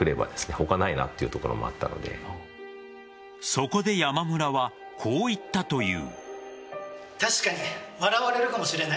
そこで山村はこう言ったという。